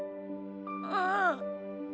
うん。